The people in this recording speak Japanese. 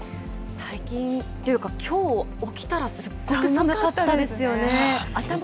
最近、というか、きょう、起きたらすっごい寒かったですよね。